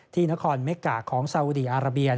ที่นครเมกะของสาวุดีอาราเบีย